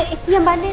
iya mbak nenek